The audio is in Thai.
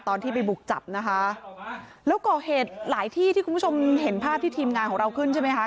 ตอนที่ไปบุกจับนะคะแล้วก่อเหตุหลายที่ที่คุณผู้ชมเห็นภาพที่ทีมงานของเราขึ้นใช่ไหมคะ